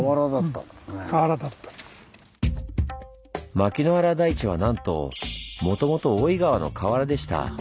牧之原台地はなんともともと大井川の川原でした。